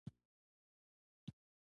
دا بهیر د پاکستان د سازمان محصول و.